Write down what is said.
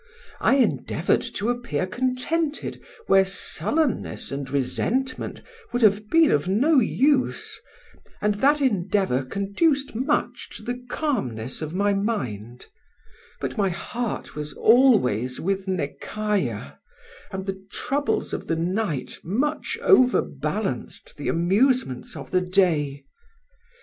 I endeavoured to appear contented where sullenness and resentment would have been of no use, and that endeavour conduced much to the calmness of my mind; but my heart was always with Nekayah, and the troubles of the night much overbalanced the amusements of the day.